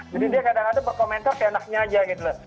jadi dia kadang kadang berkomentar seenaknya aja gitu loh